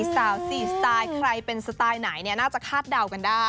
สาว๔สไตล์ใครเป็นสไตล์ไหนน่าจะคาดเดากันได้